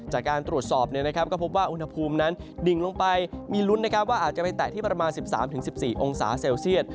จากการตรวจสอบก็พบว่าอุณหภูมินั้นดิ่งลงไปมีลุ้นว่าอาจจะไปแตะที่ประมาณ๑๓๑๔องศาเซลเซียต